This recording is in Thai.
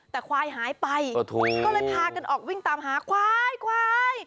แต่ควายหายไปก็เลยพากันออกวิ่งตามหาควายควาย